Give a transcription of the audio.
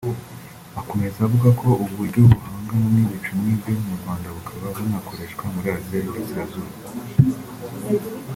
Akomeza avuga ko ubu buryo buhangana n’ibicu nk’ibyo mu Rwanda bukaba bunakoreshwa muri Aziya y’Uburasirazuba